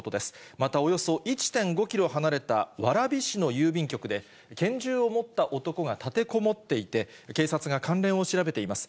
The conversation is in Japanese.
またおよそ１．５キロ離れた蕨市の郵便局で、拳銃を持った男が立てこもっていて、警察が関連を調べています。